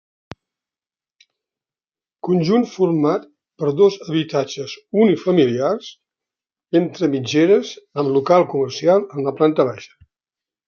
Conjunt format per dos habitatges unifamiliars entre mitgeres amb local comercial en la planta baixa.